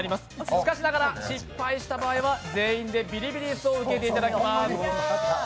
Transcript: しかしながら、失敗した場合は全員でビリビリを受けてもらいます。